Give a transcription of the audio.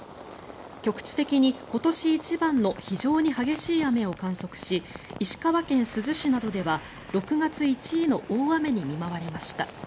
局地的に今年一番の非常に激しい雨を観測し石川県珠洲市などでは６月１位の大雨に見舞われました。